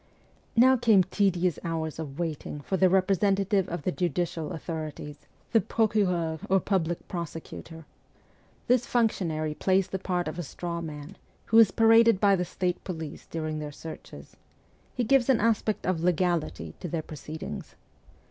Now came tedious hours of waiting for the representative of the judicial authorities, the procureur or public prosecutor. This functionary plays the part of a straw man, who is paraded by the State police during their searches : he gives an aspect of legality to their proceedings.